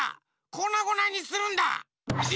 こなごなにするんだ！